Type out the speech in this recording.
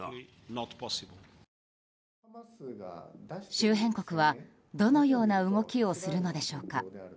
周辺国は、どのような動きをするのでしょうか。